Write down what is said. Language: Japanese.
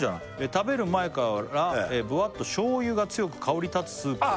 「食べる前から」「ぶわっと醤油が強く香り立つスープは」